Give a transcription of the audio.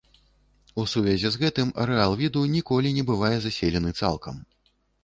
У сувязі з гэтым арэал віду ніколі не бывае заселены цалкам.